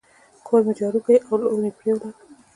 کور مي جارو کی او لوښي مي پرېولل.